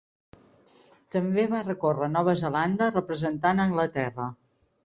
També va recórrer Nova Zelanda representant Anglaterra.